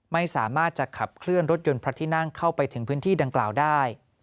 ไม่สามารถจะขับเคลื่อนรถยนต์พระที่นั่งเข้าไปถึงพื้นที่ดังกล่าวได้